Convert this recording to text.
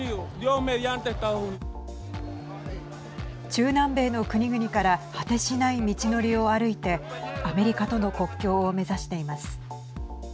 中南米の国々から果てしない道のりを歩いてアメリカとの国境を目指しています。